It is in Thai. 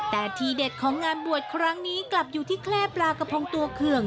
แต่ทีเด็ดของงานบวชครั้งนี้กลับอยู่ที่แคล่ปลากระพงตัวเคือง